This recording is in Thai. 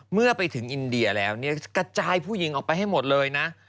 เมื่อไปถึงอินเดียแล้วเนี่ยกระจายผู้หญิงออกไปให้หมดเลยนะ